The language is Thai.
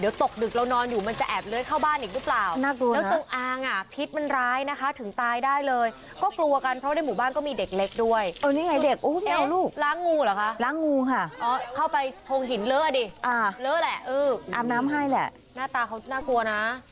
เดี๋ยวตกดึกเรานอนอยู่มันจะแอบเลื้อสเข้าบ้านอีกหรือเปล่า